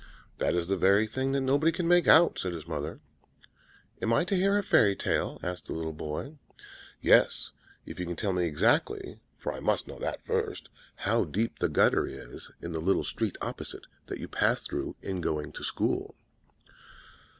"That is the very thing that nobody can make out," said his mother. "Am I to hear a fairy tale?" asked the little boy. "Yes, if you can tell me exactly for I must know that first how deep the gutter is in the little street opposite, that you pass through in going to school."